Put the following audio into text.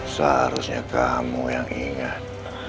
seharusnya kamu yang ingat